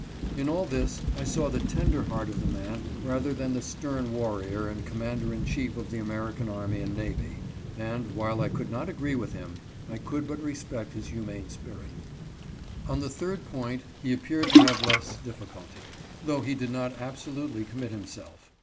In all this I saw the tender heart of the man rather than the stern warrior and commander in chief of the American army and navy, and, while I could not agree with him, I could but respect his humane spirit. On the third point he appeared to have less difficulty, though he did not absolutely commit himself.